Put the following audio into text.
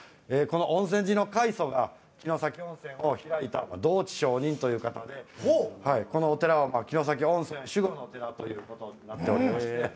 温泉寺の開祖が城崎温泉を開いた道智上人という方でこのお寺は城崎温泉の守護のお寺となっております。